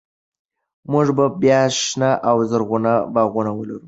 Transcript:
موږ به بیا شنه او زرغون باغونه ولرو.